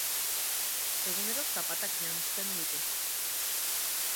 Egunero zapatak janzten ditu.